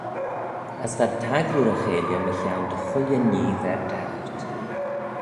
As v'ad taggloo ry-cheilley mychione dy chooilley nhee v'er daghyrt.